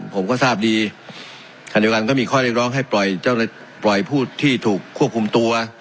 ผมก็ทราบดีท่านเดียวกันก็มีข้อเรียกร้องให้ปล่อยผู้ที่ถูกควบคุมตัว